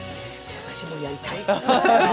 私もやりたい。